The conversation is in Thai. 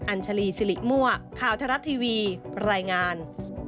ัญชาลีสิริมั่วข่าวทรัฐทีวีรายงาน